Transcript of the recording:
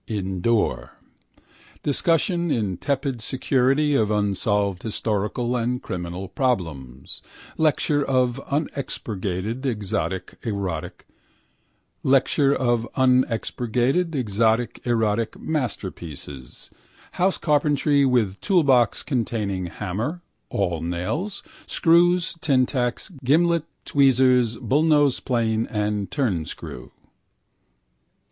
Indoor: discussion in tepid security of unsolved historical and criminal problems: lecture of unexpurgated exotic erotic masterpieces: house carpentry with toolbox containing hammer, awl, nails, screws, tintacks, gimlet, tweezers, bullnose plane and turnscrew.